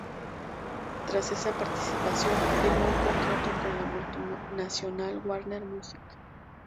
Tras esa participación, firmó un contrato con la multinacional Warner Music.